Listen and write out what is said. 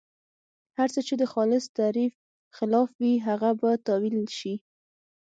هر څه چې د خالص تعریف خلاف وي هغه به تاویل شي.